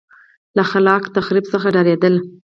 له خلاق تخریب څخه ډارېدل.